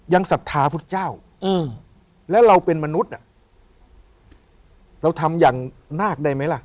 ศรัทธาพุทธเจ้าแล้วเราเป็นมนุษย์เราทำอย่างนาคได้ไหมล่ะ